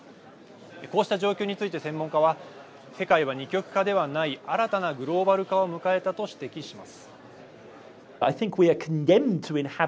こうした状況について専門家は世界は２極化ではない新たなグローバル化を迎えたと指摘します。